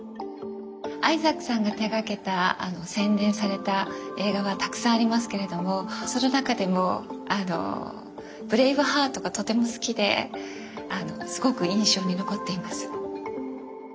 アイザックスさんが手がけた宣伝された映画はたくさんありますけれどもその中でも「ブレイブハート」がとても好きですごく印象に残っています。